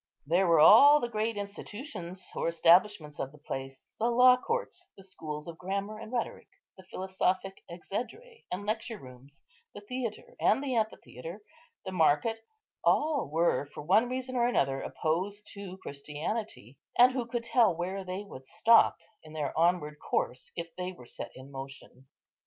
There were all the great institutions or establishments of the place; the law courts, the schools of grammar and rhetoric, the philosophic exedræ and lecture rooms, the theatre, the amphitheatre, the market—all were, for one reason or another, opposed to Christianity; and who could tell where they would stop in their onward course, if they were set in motion?